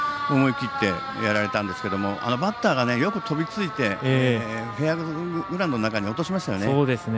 思い切ってやられたんですけどバッターがよく飛びついてフェアグラウンドの中に落としましたよね。